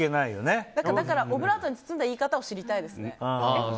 だからオブラートに包んだ言い方知りたいですね。